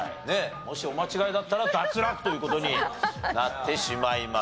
もしお間違えだったら脱落という事になってしまいます。